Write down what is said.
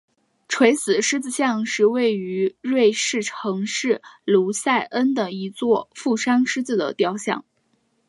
垂死狮子像是位于瑞士城市卢塞恩的一座负伤狮子的雕像。